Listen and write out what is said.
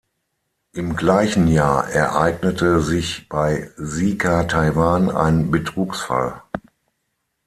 Im gleichen Jahr ereignete sich bei "Sika Taiwan" ein Betrugsfall.